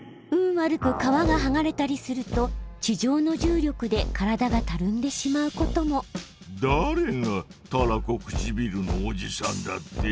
悪く皮がはがれたりすると地上の重力でからだがたるんでしまうこともだれがたらこくちびるのおじさんだって？